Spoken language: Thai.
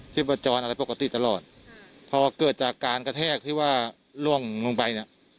ที่ประจ้อนอะไรปกติตลอดพอเกิดจากการกระแทกที่ว่าล่วงลงไป